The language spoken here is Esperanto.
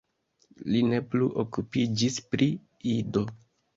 Li ne plu okupiĝis pri Ido.